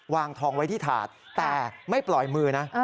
วางทองไว้ที่ถาดแต่ไม่ปล่อยมือนะ